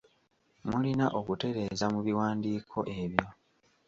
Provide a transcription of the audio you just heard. Mulina okutereeza mu biwandiiko ebyo.